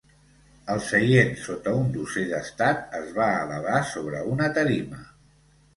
El seient sota un dosser d’estat es va elevar sobre una tarima.